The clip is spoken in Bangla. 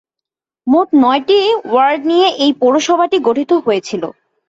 মোট নয়টি ওয়ার্ড নিয়ে এই পৌরসভাটি গঠিত হয়েছে।